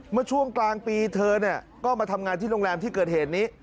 เมื่อช่วงกลางปีเธอก็มาทำงานที่โรงแรมที่เกิดเหตุนี้